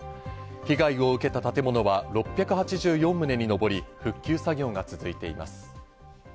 被害を受けた建物は６８４棟に上り、復旧作業が続いています。